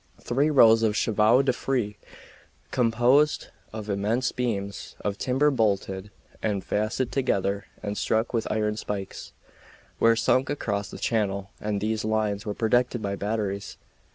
Three rows of chevaux de frise, composed of immense beams of timber bolted and fastened together and stuck with iron spikes, were sunk across the channel, and these lines were protected by batteries.